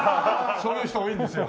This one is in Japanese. そういう人多いんですよ。